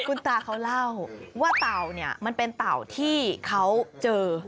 คุณตาเขาเล่าว่าเต่าเนี่ยมันเป็นเต่าที่เขาเจอ